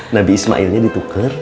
nabi ismailnya ditukar